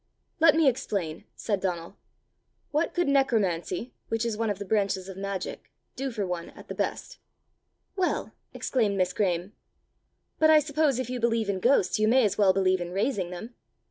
"Let me explain!" said Donal: "what could necromancy, which is one of the branches of magic, do for one at the best?" "Well!" exclaimed Miss Graeme; " but I suppose if you believe in ghosts, you may as well believe in raising them!"